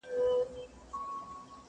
زخمي زخمي ټوټه ټوټه دي کړمه,